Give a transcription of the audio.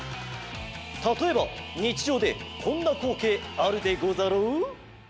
たとえばにちじょうでこんなこうけいあるでござろう？